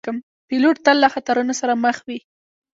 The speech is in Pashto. پیلوټ تل له خطرونو سره مخ وي.